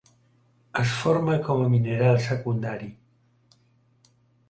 Es forma com a mineral secundari.